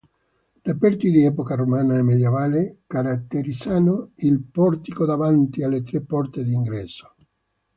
Reperti di epoca romana e medievale caratterizzano il portico davanti alle tre porte d'ingresso.